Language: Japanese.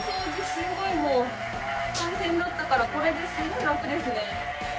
すごいもう大変だったからこれですごい楽ですね。